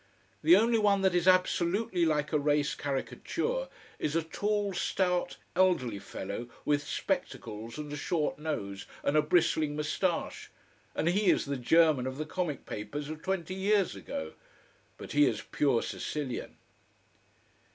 The only one that is absolutely like a race caricature is a tall stout elderly fellow with spectacles and a short nose and a bristling moustache, and he is the German of the comic papers of twenty years ago. But he is pure Sicilian.